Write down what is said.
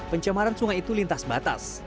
pencemaran sungai itu lintas batas